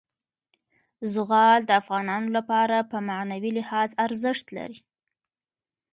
زغال د افغانانو لپاره په معنوي لحاظ ارزښت لري.